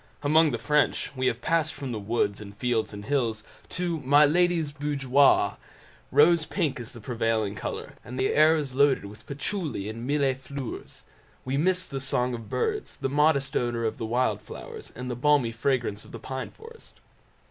Among the French we have passed from the woods, and fields, and hills, to my lady's boudoir—rose pink is the prevailing colour, and the air is loaded with patchouli and mille fleurs. We miss the song of birds, the modest odour of wild flowers, and the balmy fragrance of the pine forest.